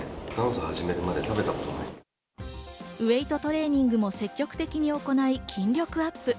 ウエイトトレーニングも積極的に行い筋力アップ。